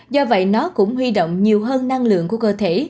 do vậy nó cũng huy động nhiều hơn năng lượng của cơ thể